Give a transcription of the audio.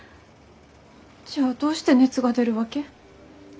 じゃあどうして熱が出るわけ？